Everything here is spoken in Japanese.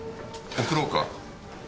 送ろうか？